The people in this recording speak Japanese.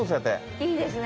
いいですね。